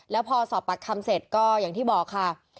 แล้วพอสอบปากคำเสร็จก็อย่างที่บอกค่ะ